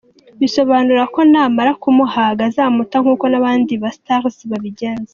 Bisobanura ko namara kumuhaga azamuta nkuko n’abandi ba Stars babigenza.